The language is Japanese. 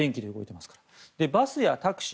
そしてバスやタクシー。